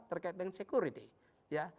terkait dengan security